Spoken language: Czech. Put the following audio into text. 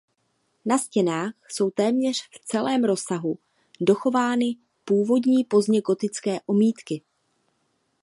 Na stěnách jsou téměř v celém rozsahu dochovány původní pozdně gotické omítky.